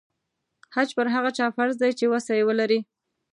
حج پر هغه چا فرض دی چې وسه یې ولري.